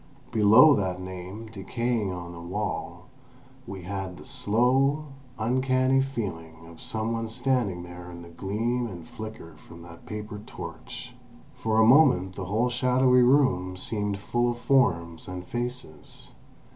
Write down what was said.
Below that name, decaying on the wall, we had the slow, uncanny feeling of some one standing there in the gleam and flicker from that paper torch. For a moment the whole shadowy room seemed full of forms and faces.